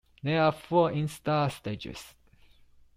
There are four instar stages.